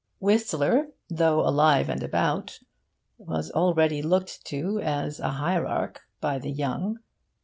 Whistler, though alive and about, was already looked to as a hierarch by the young.